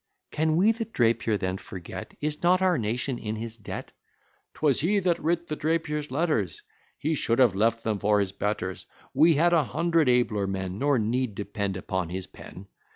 Can we the Drapier then forget? Is not our nation in his debt? 'Twas he that writ the Drapier's letters! "He should have left them for his betters, We had a hundred abler men, Nor need depend upon his pen.